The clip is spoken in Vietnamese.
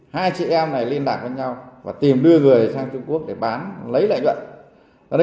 hai chị em này liên lạc với nhau và tìm đưa người sang trung quốc để bán lấy lợi nhuận